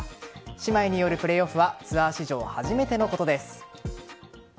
姉妹によるプレーオフはツアー史上初めてのことです。